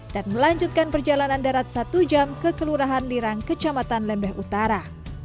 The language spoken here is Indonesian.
dan melanjutkan perjalanan darat satu jam ke kelurahan lirang kecamatan lembeh utara